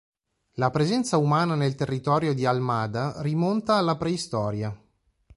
La presenza umana nel territorio di Almada rimonta alla preistoria.